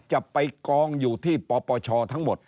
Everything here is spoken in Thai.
จะไปกองอยู่ที่ปปชทั้งหมด